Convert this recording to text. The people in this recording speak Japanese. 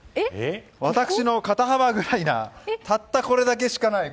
私の肩幅くらいのたったこれだけしかない。